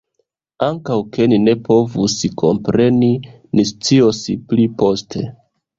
Ankaŭ ke ni ne povus kompreni; ni scios pli poste.